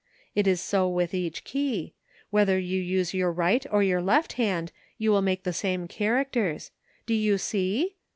It is so with each key ; whether you use your right or your left hand you will make the same characters. Do you see?